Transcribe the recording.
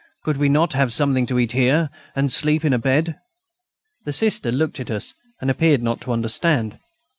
Could we not have something to eat here, and sleep in a bed?" The Sister looked at us and appeared not to understand.